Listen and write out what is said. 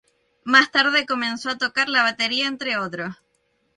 Más tarde comenzó a tocar la batería, entre otros.